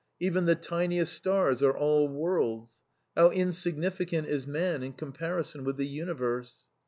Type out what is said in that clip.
Even the smallest stars are worlds ! How insignificant man is in comparison with the universe.